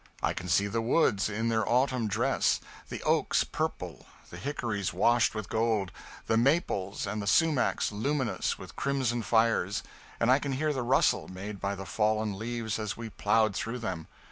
I can see the woods in their autumn dress, the oaks purple, the hickories washed with gold, the maples and the sumacs luminous with crimson fires, and I can hear the rustle made by the fallen leaves as we ploughed through them.